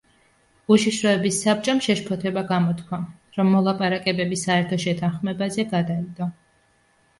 უშიშროების საბჭომ შეშფოთება გამოთქვა, რომ მოლაპარაკებები საერთო შეთანხმებაზე გადაიდო.